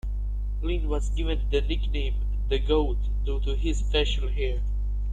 Linn was given the nickname "The Goat" due to his facial hair.